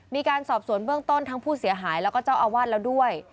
มีการสอบสวนเบื้องต้นทั้งผู้เสียหายแล้วก็เจ้าอาวาสแล้วด้วย